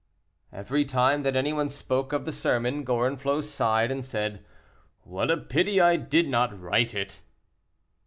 Every time that any one spoke of the sermon, Gorenflot sighed and said: "What a pity I did not write it!